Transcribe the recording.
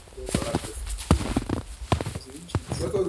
It was a huge hit!